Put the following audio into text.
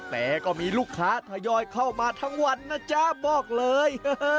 แต่ก็มีลูกค้าทยอยเข้ามาทั้งวันนะจ๊ะบอกเลย